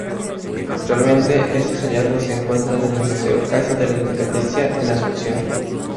Actualmente, estos hallazgos se encuentran en el Museo Casa de la Independencia, en Asunción.